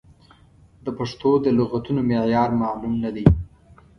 د پښتو د لغتونو معیار معلوم نه دی.